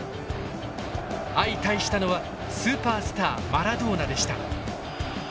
相対したのはスーパースターマラドーナでした。